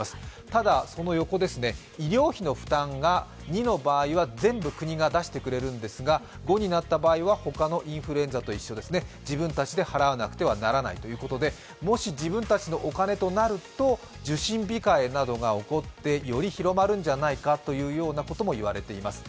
ただ、医療費の負担が２の場合は全部国が出してくれるんですが、５になった場合は他のインフルエンザと一緒ですね、自分たちで払わなくてはならないということでもし自分たちのお金となると受診控えなどが起こってより広まるんじゃないかということも言われています。